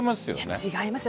違いますよ。